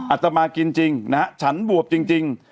อตมากินจริงนะฮะฉันบวบจริง